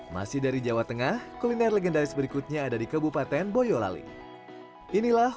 masih dari jawa tengah kuliner legendaris berikutnya ada di kabupaten boyolali inilah